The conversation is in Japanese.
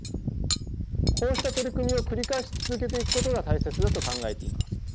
こうした取り組みを繰り返し続けていくことが大切だと考えています。